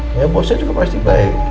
andin kan baik ya bosnya juga pasti baik